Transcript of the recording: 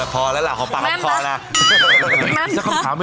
พอแล้วล่ะขอปรับพอล่ะ